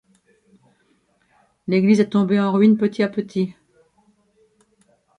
L’église est tombée en ruine petit à petit.